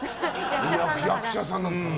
役者さんなんですから。